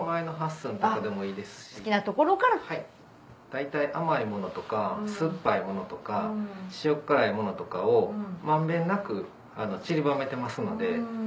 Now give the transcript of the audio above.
大体甘いものとか酸っぱいものとか塩っ辛いものとかを満遍なくちりばめてますので。